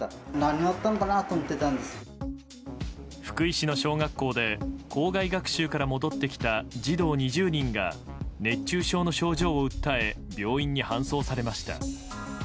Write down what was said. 福井市の小学校で校外学習から戻ってきた児童２０人が熱中症の症状を訴え病院に搬送されました。